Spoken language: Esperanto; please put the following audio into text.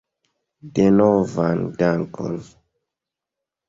Denovan dankon.